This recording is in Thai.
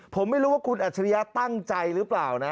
ผมไม่รู้ว่าคุณอัจฉริยะตั้งใจหรือเปล่านะ